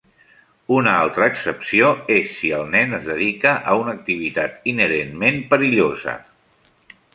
Una altra excepció és si el nen es dedica a una activitat inherentment perillosa.